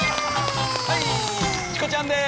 はいチコちゃんです